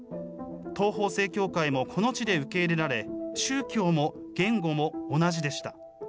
東方正教会もこの地で受け入れられ、宗教も言語も同じでした。